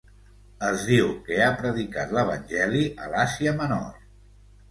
Es diu que ha predicat l'evangeli a l'Àsia Menor.